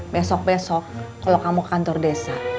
besok besok kalau kamu kantor desa